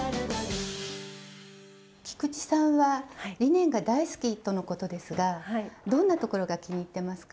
菊池さんはリネンが大好きとのことですがどんなところが気に入ってますか？